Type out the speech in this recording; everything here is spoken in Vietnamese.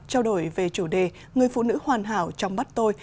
trao đổi về chủ đề người phụ nữ hoàn hảo trong bắt tôi